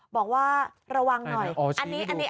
บอกว่าระวังหน่อย